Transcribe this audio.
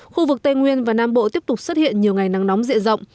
khu vực tây nguyên và nam bộ tiếp tục xuất hiện nhiều ngày nắng nóng dịa rộng